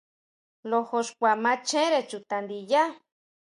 Lojo xkua machere chuta ndiyá.